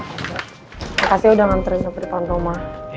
makasih udah nganterin seperti pantoma